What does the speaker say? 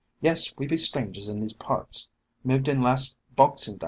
Yes, we be strangers in these parts, moved in last boxing day.